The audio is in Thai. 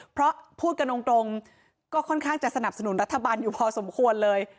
เพราะพูดกันตรงก็ค่อนข้างจะสนับสนุนรัฐบาลอยู่พอสมควรเลย